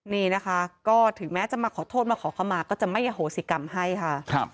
นี่นะคะก็ถึงแม้จะมาขอโทษมาขอเข้ามาก็จะไม่อโหสิกรรมให้ค่ะ